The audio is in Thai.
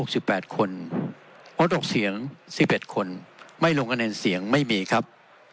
คนงดออกเสียงสิบเอ็ดคนไม่ลงคะแนนเสียงไม่มีครับ